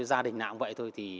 gia đình nào cũng vậy